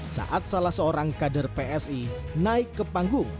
saat salah seorang kader psi naik ke panggung